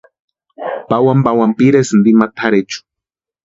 Pawani pawani piresïnti ima tʼarhechu.